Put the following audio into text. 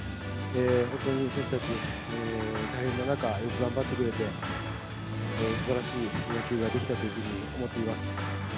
本当に選手たち、大変な中、よく頑張ってくれて、すばらしい野球ができたというふうに思っています。